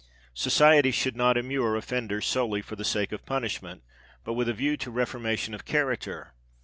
Society should not immure offenders solely for the sake of punishment—but with a view to reformation of character.